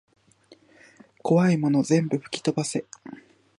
こわいもの全部ふきとばせ